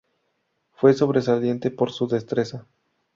Fue sobresaliente por su destreza.